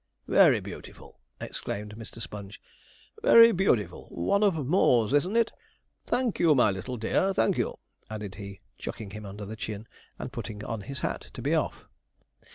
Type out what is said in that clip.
'Very beautiful!' exclaimed Mr. Sponge; 'very beautiful! One of Moore's, isn't it? Thank you, my little dear, thank you,' added he, chucking him under the chin, and putting on his hat to be off.